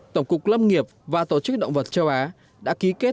tổng cục lâm nghiệp và tổ chức động vật châu á đã ký kết